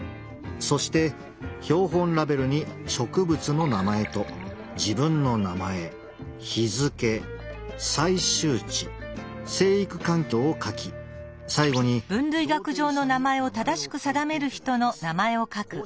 そして標本ラベルに植物の名前と自分の名前日付採集地生育環境を書き最後に同定者に名前を書いていただきます。